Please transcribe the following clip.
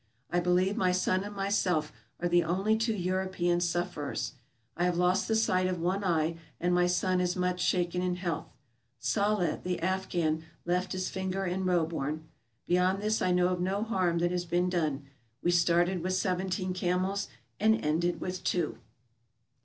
I believe my son and myself are the only two European suf ferers. I have lost the sight of one eye, and my son is much shaken in health. Sahleh, the Afghan, left his finger in Roebourne. Beyond this I know of no harm that has been done. We started with seventeen camels and ended with two.